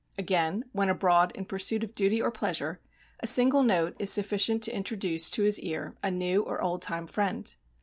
Again, when abroad in pursuit of duty or pleasure, a single note is sufficient to introduce to his ear a new or old time friend.